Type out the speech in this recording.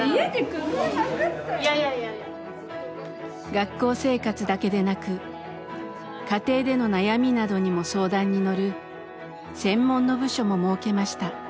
学校生活だけでなく家庭での悩みなどにも相談に乗る専門の部署も設けました。